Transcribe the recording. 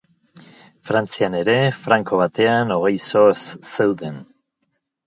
Frantzian ere franko batean hogei soz zeuden.